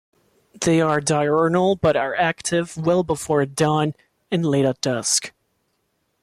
They are diurnal but are active well before dawn and late at dusk.